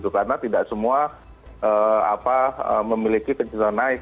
karena tidak semua memiliki kecerdasan naik